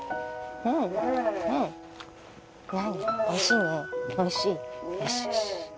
うんおいしいおいしい。